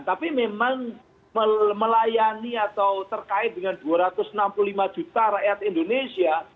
tapi memang melayani atau terkait dengan dua ratus enam puluh lima juta rakyat indonesia